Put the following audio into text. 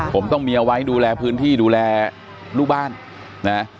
ผมต้องมีเอาไว้ดูแลพื้นที่ดูแลลูกบ้านนะ